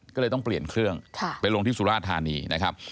ก็เลยต้องเปลี่ยนเครื่องไปลงที่สุราธานีนะครับ